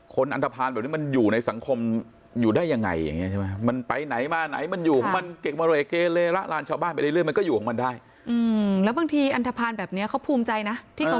อันทภาณแบบนี้มันอยู่ในสังคมอยู่ได้ยังไงอย่างนี้ใช่ไหม